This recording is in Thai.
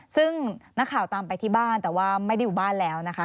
ซึ่งนักข่าวตามไปที่บ้านแต่ว่าไม่ได้อยู่บ้านแล้วนะคะ